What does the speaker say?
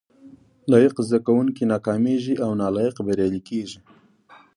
لایق زده کوونکي ناکامیږي او نالایق بریالي کیږي